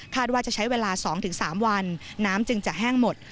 ว่าจะใช้เวลา๒๓วันน้ำจึงจะแห้งหมด